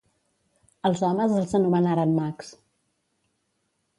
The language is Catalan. Els homes els anomenaren mags.